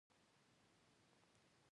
هغې ټوپونه ووهل خو انګورو ته ونه رسیده.